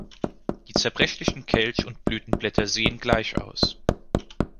Die zerbrechlichen Kelch- und die Blütenblätter sehen gleich aus.